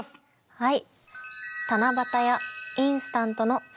はい。